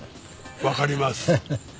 わかります。